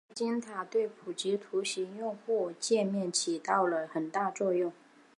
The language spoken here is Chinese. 麦金塔对普及图形用户界面起到了很大作用。